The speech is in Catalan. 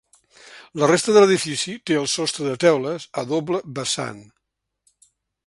La resta de l'edifici té el sostre de teules, a doble vessant.